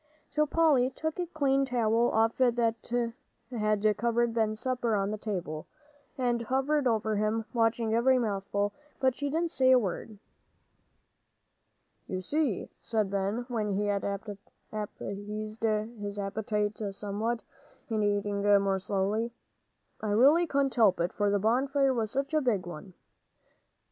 So Polly took off the clean towel that had covered Ben's supper on the table, and hovered over him, watching every mouthful. But she didn't say a word. "You see," said Ben, when he had appeased his appetite somewhat, and eating more slowly, "I really couldn't help it, for the bonfire was such a big one."